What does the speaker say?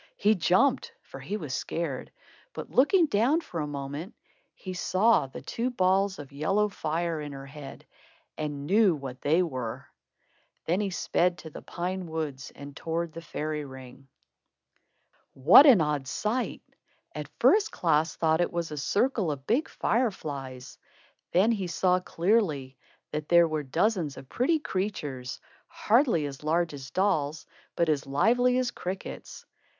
He jumped, for he was scared; but looking down, for a moment, he saw the two balls of yellow fire in her head and knew what they were. Then he sped to the pine woods and towards the fairy ring. What an odd sight! At first Klaas thought it was a circle of big fire flies. Then he saw clearly that there were dozens of pretty creatures, hardly as large as dolls, but as lively as crickets.